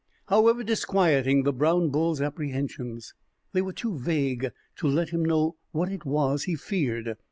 However disquieting the brown bull's apprehensions, they were too vague to let him know what it was he feared.